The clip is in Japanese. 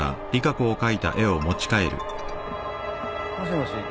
もしもし？